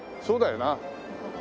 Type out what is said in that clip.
そうだよな。